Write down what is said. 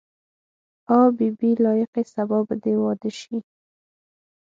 آ بي بي لایقې سبا به دې واده شي.